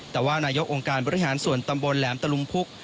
แต่ว่านายกองค์การบริหารส่วนตำบลแหลมตะลุมพุก